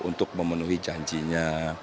untuk memenuhi janjinya